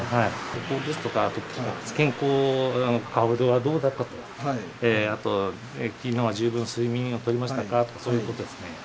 アルコールですとか健康、顔色はどうだったとか、あと、きのうは十分、睡眠をとりましたかとか、そういうことですね。